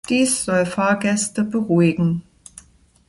Dies soll Fahrgäste beruhigen.